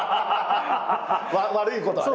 悪いことはね。